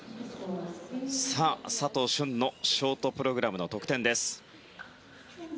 佐藤駿のショートプログラムの得点です。